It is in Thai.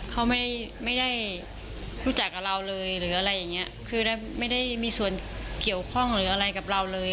เขาไม่ได้รู้จักกับเราเลยไม่ได้มีส่วนเกี่ยวข้องอะไรกับเราเลย